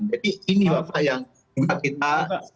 jadi ini bapak yang meminta kita